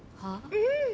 うん。